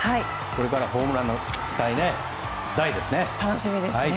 これからはホームランの期待が大ですね。